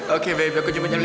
oke baby aku jumpa jam lima ya